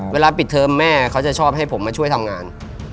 เวลาปิดเทอมแม่เขาจะชอบให้ผมมาช่วยทำงาน